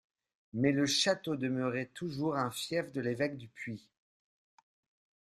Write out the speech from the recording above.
Mais le château demeurait toujours un fief de l'évêque du Puy.